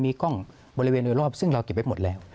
มีกล้องบริเวณโดยรอบซึ่งเราเก็บไว้หมดแล้ว